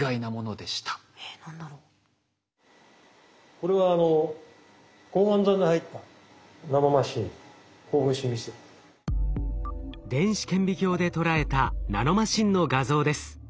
これは電子顕微鏡で捉えたナノマシンの画像です。